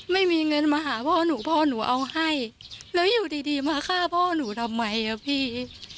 ไม่มีเงินมาหาพ่อหนูพ่อหนูเอาให้แล้วอยู่ดีดีมาฆ่าพ่อหนูทำไมอ่ะพี่